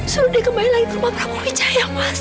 suruh dia kembali lagi ke rumah prabowo wijaya mas